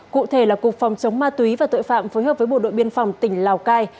cụ thể là cục phòng chống ma túy và tội phạm phối hợp với bộ đội biên phòng tỉnh lào cai